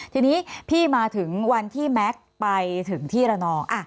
ทีนี้พี่มาถึงวันที่แม็กซ์ไปถึงที่ระนอง